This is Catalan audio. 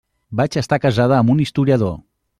Vaig estar casada amb un historiador.